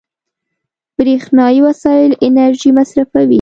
برېښنایي وسایل انرژي مصرفوي.